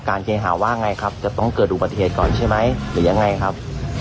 เกหาว่าไงครับจะต้องเกิดอุบัติเหตุก่อนใช่ไหมหรือยังไงครับ